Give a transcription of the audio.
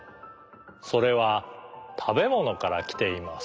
それはたべものからきています。